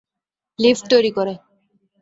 Lift তৈরি করে।